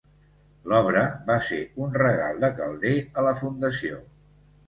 L'obra va ser un regal de Calder a la fundació.